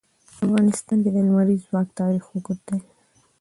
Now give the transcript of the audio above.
په افغانستان کې د لمریز ځواک تاریخ اوږد دی.